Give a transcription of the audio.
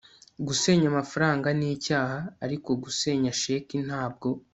gusenya amafaranga nicyaha, ariko gusenya sheki ntabwo